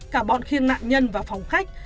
cả bọn khiêng nạn nhân và phòng khách